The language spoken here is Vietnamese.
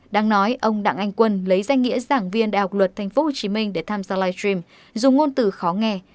đang nói ông đặng anh quân lấy danh nghĩa giảng viên đại học luật tp hcm để tham gia live stream dùng ngôn từ khó nghe